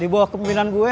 di bawah kemimpinan gue